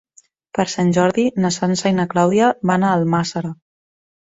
Per Sant Jordi na Sança i na Clàudia van a Almàssera.